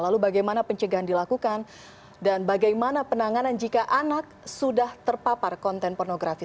lalu bagaimana pencegahan dilakukan dan bagaimana penanganan jika anak sudah terpapar konten pornografi